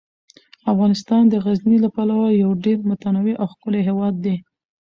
افغانستان د غزني له پلوه یو ډیر متنوع او ښکلی هیواد دی.